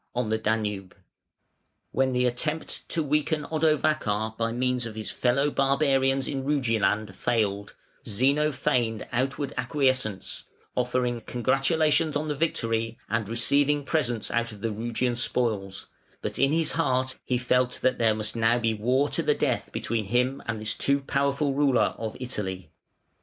_), on the Danube. When the attempt to weaken Odovacar by means of his fellow barbarians in "Rugiland" failed, Zeno feigned outward acquiescence, offering congratulations on the victory and receiving presents out of the Rugian spoils, but in his heart he felt that there must now be war to the death between him and this too powerful ruler of Italy.